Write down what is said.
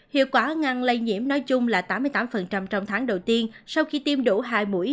hiệu quả ngăn lây nhiễm nói chung là tám mươi tám trong tháng đầu tiên sau khi tiêm đủ hai mũi